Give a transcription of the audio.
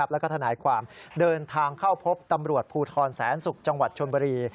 แล้วก็ทนายความเดินทางเข้าพบตำรวจภูทรแสนศุกร์จังหวัดชนบุรี